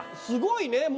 「すごいね。